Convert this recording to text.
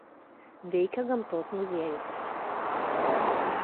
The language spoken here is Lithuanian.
Veikia gamtos muziejus.